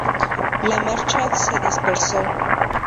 La marcha se dispersó.